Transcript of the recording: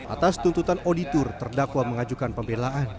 atas tuntutan auditur terdakwa mengajukan pembelaan